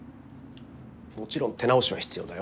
もちろん手直しは必要だよ。